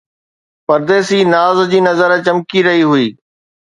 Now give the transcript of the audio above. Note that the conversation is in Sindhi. پرديسي ناز جي نظر چمڪي رهي هئي